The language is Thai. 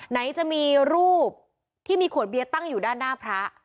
ไหนจะมีรูปที่มีขวดเบียร์ตั้งอยู่ด้านหน้าพระ